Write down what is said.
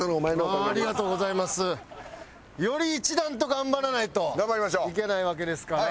より一段と頑張らないといけないわけですから。